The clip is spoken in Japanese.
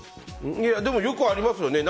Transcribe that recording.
よくありますよね。